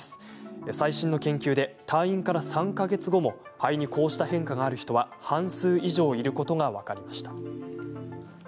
最新の研究で、退院から３か月後も肺にこうした変化がある人は半数以上いることが分かりました。